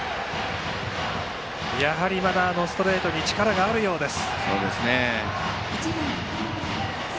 やはり、まだあのストレートに力があるようです。